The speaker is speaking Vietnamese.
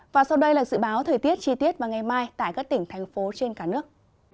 và sau đây là dự báo thời tiết chi tiết vào ngày mai tại các tỉnh thành phố trên cả nước